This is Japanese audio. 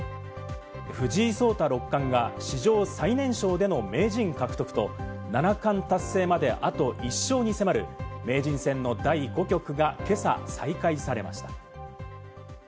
藤井聡太六冠が史上最年少での名人獲得と七冠達成まであと１勝に迫る名人戦の第５局が今朝、再開されました。